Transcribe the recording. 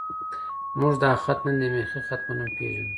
موږ دا خط نن د میخي خط په نوم پېژنو.